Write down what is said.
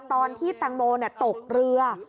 ตอนที่แตงโมตกเรือ